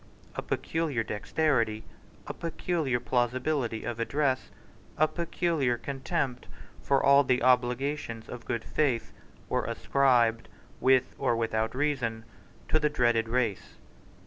A peculiar dexterity, a peculiar plausibility of address, a peculiar contempt for all the obligations of good faith, were ascribed, with or without reason, to the dreaded race.